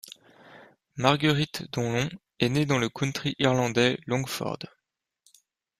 Marguerite Donlon est née dans le County irlandais Longford.